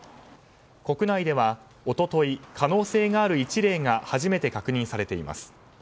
国内では一昨日可能性のある１例が初めて確認されています。